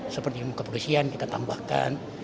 seperti kepolisian kita tambahkan